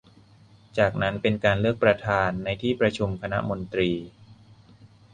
จากนั้นเป็นการเลือกประธานในที่ประชุมคณะมนตรี